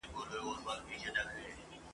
چي له تقریباً نیمي پېړۍ راهیسي !.